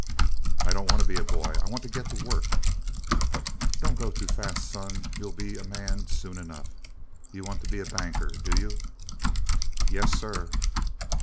"I don't want to be a boy. I want to get to work." "Don't go too fast, son. You'll be a man soon enough. You want to be a banker, do you?" "Yes, sir!"